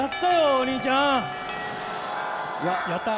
お兄ちゃん！ややった！